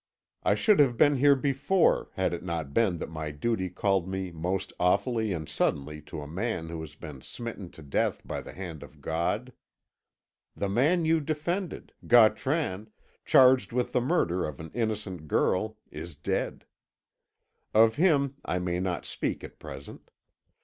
I should have been here before had it not been that my duty called me most awfully and suddenly to a man who has been smitten to death by the hand of God. The man you defended Gautran, charged with the murder of an innocent girl is dead. Of him I may not speak at present.